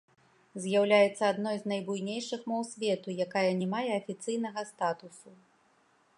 З'яўляецца адной з найбуйнейшых моў свету, якая не мае афіцыйнага статусу.